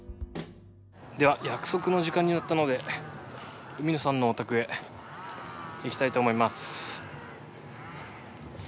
約束の時間になったので海野さんのお宅へ行きたいと思います。